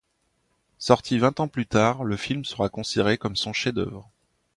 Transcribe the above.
Sorti vingt ans plus tard, le film sera considéré comme son chef-d'œuvre.